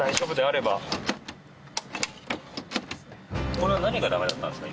これは何がダメだったんですか？